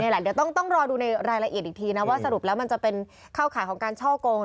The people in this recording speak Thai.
เดี๋ยวต้องรอดูในรายละเอียดอีกทีนะว่าสรุปแล้วมันจะเป็นเข้าข่ายของการช่อกง